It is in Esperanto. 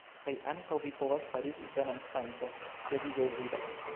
Kaj ankaŭ vi povas fariĝi donancanto se vi deziras.